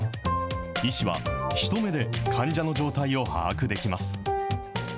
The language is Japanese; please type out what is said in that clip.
医師は一目で患者の状態を把握できます。